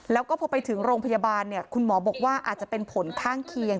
แล้วก็พอไปถึงโรงพยาบาลเนี่ยคุณหมอบอกว่าอาจจะเป็นผลข้างเคียง